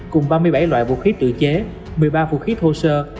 cùng ba mươi bảy loại vũ khí tự chế một mươi ba vũ khí thô sơ